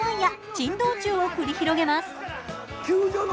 珍道中を繰り広げます。